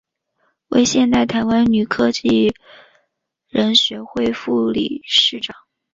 为现任台湾女科技人学会副理事长。